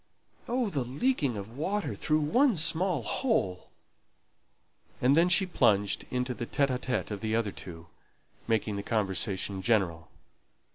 Oh, the leaking of water through one small hole!" And then she plunged into the talk of the other two, making the conversation general.